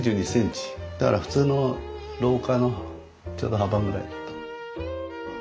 だから普通の廊下のちょうど幅ぐらいだと。